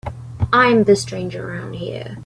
I'm the stranger around here.